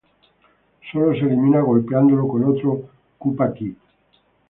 Solo se elimina golpeándolo con otro Koopa kid.